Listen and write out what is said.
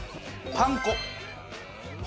パン粉？